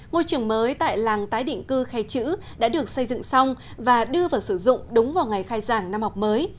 ngôi trường mới tại làng tái định cư khe chữ đã được xây dựng xong và đưa vào sử dụng đúng vào ngày khai giảng năm học mới